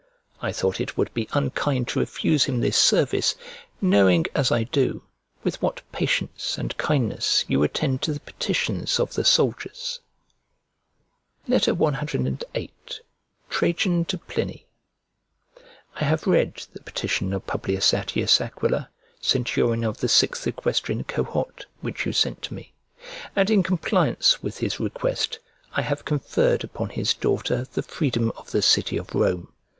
I thought it would be unkind to refuse him this service, knowing, as I do, with what patience and kindness you attend to the petitions of the soldiers. CVIII TRAJAN TO PLINY I HAVE read the petition of P. Attius Aquila, centurion of the sixth equestrian cohort, which you sent to me; and in compliance with his request, I have conferred upon his daughter the freedom of the city of Rome.